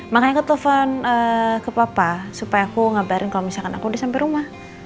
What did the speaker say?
makanya aku telepon ke papa supaya aku ngabarin kalau misalkan aku udah sampai rumah